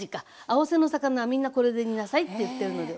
「青背の魚はみんなこれで煮なさい」って言ってるので